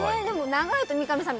長いと、三上さん